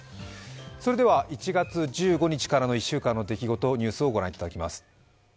それでは１月１５日からの１週間の出来事、ニュースをご覧いただきます。